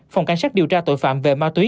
phòng cảnh sát điều tra tội phạm về ma túy